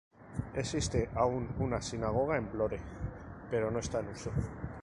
Existe aún una sinagoga en Vlorë, pero no está en uso.